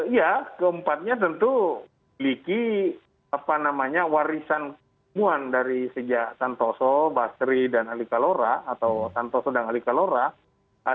iya keempatnya tentu miliki warisan pemuan dari sejak tantoso basri dan ali kalora atau tantoso dan ali kalora